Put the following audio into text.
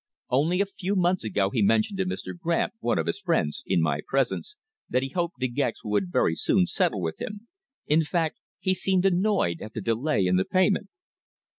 Only a few months ago he mentioned to Mr. Grant, one of his friends, in my presence, that he hoped De Gex would very soon settle with him. In fact he seemed annoyed at the delay in the payment."